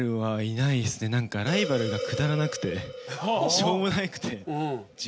しょうもなくて。